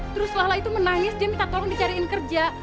terus lala itu menangis dia minta tolong dicariin kerja